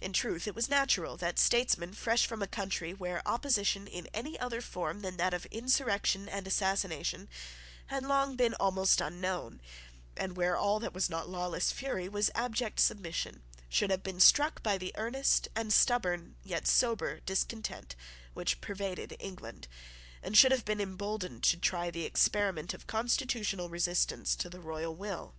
In truth it was natural that statesmen fresh from a country where opposition in any other form than that of insurrection and assassination had long been almost unknown, and where all that was not lawless fury was abject submission, should have been struck by the earnest and stubborn, yet sober, discontent which pervaded England, and should have been emboldened to try the experiment of constitutional resistance to the royal will.